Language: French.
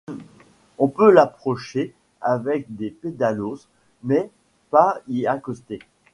On peut l'approcher avec des pédalos mais pas y accoster.